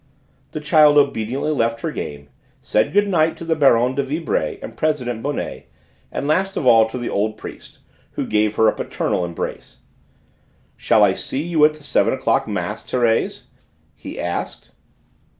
The child obediently left her game, said good night to the Baronne de Vibray and President Bonnet, and last of all to the old priest, who gave her a paternal embrace. "Shall I see you at the seven o'clock mass, Thérèse?" he asked.